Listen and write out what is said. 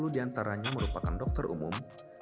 enam puluh diantaranya merupakan dokter umum